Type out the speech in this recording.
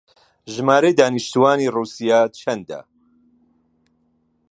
ژمارەی دانیشتووانی ڕووسیا چەندە؟